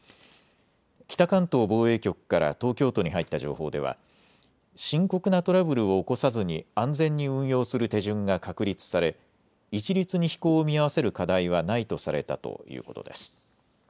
北関東防衛局から東京都に入った情報では、深刻なトラブルを起こさずに安全に運用する手順が確立され一律に飛行を見合わせる課題はないとされたということです。